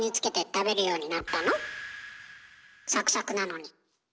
サクサクなのに。